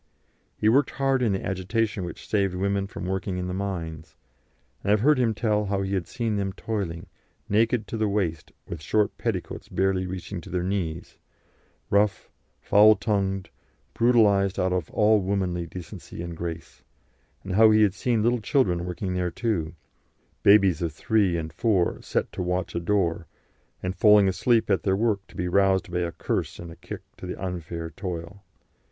He worked hard in the agitation which saved women from working in the mines, and I have heard him tell how he had seen them toiling, naked to the waist, with short petticoats barely reaching to their knees, rough, foul tongued, brutalised out of all womanly decency and grace; and how he had seen little children working there too, babies of three and four set to watch a door, and falling asleep at their work to be roused by curse and kick to the unfair toil.